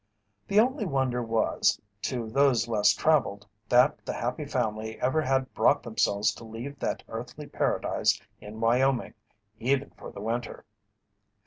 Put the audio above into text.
The only wonder was, to those less travelled, that The Happy Family ever had brought themselves to leave that earthly paradise in Wyoming, even for the winter.